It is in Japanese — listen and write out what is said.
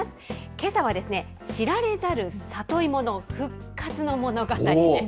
けさは知られざる里芋の復活の物語です。